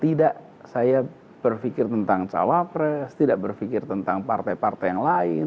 tidak saya berpikir tentang cawapres tidak berpikir tentang partai partai yang lain